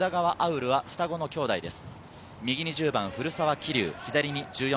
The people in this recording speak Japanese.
潤は双子の兄弟です。